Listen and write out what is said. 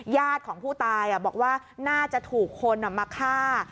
ญาติของผู้ตายบอกว่าน่าจะถูกคนมาฆ่า